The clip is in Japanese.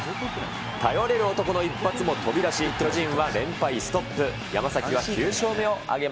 頼れる男の一発も飛び出し、巨人は連敗ストップ。